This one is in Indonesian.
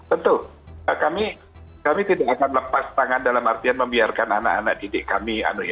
tentu kami tidak akan lepas tangan dalam artian membiarkan anak anak didik kami